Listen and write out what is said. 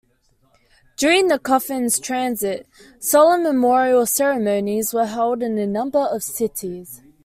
During the coffin's transit, solemn memorial ceremonies were held in a number of cities.